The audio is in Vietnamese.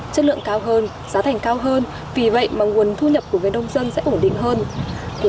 các nhận định chung của